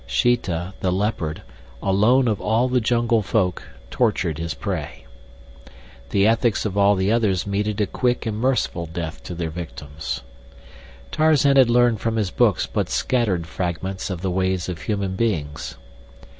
Sheeta, the leopard, alone of all the jungle folk, tortured his prey. The ethics of all the others meted a quick and merciful death to their victims. Tarzan had learned from his books but scattered fragments of the ways of human beings.